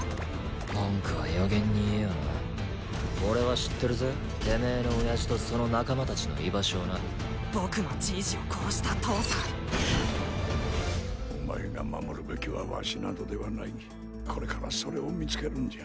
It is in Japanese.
文句は予言に言えよな俺は知ってるぜてめえの親父とその仲間達の居場所をな僕のじいじを殺した父さんお前が守るべきはわしなどではないこれからそれを見つけるんじゃ